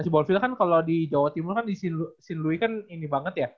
si bonfil kan kalo di jawa timur kan di st louis kan ini banget ya